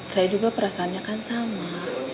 saya juga perasaannya kan sama